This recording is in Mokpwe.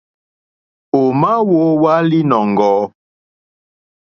Ò ma wowa linɔ̀ŋgɔ̀?